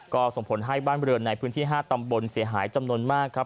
ก็ส่งผลให้บ้านบริเวณในพื้นที่๕ตำบลเสียหายจำนวนมากครับ